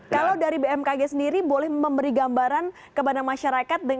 kalau dari bmkg sendiri boleh memberi gambaran kepada masyarakat